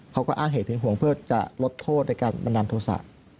เขาก็อ้างเหตุถึงห่วงเพื่อจะลดโทษในการบันดาลโทษะ